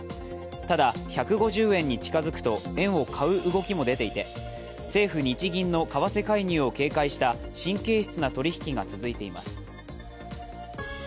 ただ、１５０円に近づくと円を買う動きも出ていて政府・日銀の為替介入を警戒した神経質な取引が続いています。